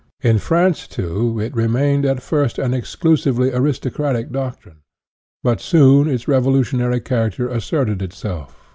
In France, too, it re mained at first an exclusively aristocratic doc trine. But soon its revolutionary character as serted itself.